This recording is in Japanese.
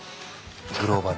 グローバルに。